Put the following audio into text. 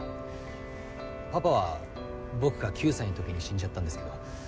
パパは僕が９歳のときに死んじゃったんですけど。